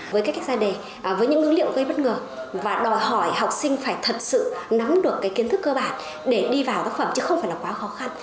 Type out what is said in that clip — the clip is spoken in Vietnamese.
với các cách ra đề với những ngữ liệu gây bất ngờ và đòi hỏi học sinh phải thật sự nắm được cái kiến thức cơ bản để đi vào tác phẩm chứ không phải là quá khó khăn